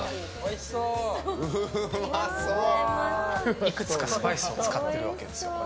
いくつかスパイスを使ってるわけですよ。